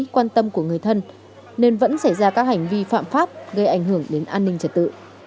quan tâm của người thân nên vẫn xảy ra các hành vi phạm pháp gây ảnh hưởng đến an ninh trật tự